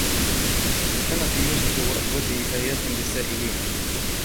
لقد كان في يوسف وإخوته آيات للسائلين